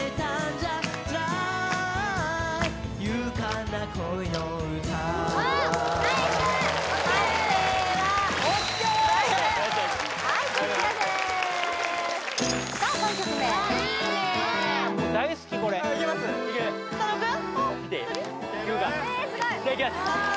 じゃあいきます